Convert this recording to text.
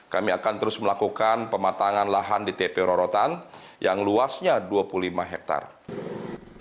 kami akan terus melakukan pematangan lahan di tpu rorotan yang luasnya dua puluh lima hektare